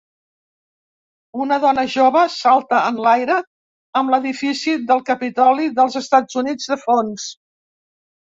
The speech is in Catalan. Una dona jove salta en l'aire amb l'edifici del Capitoli dels Estats Units de fons.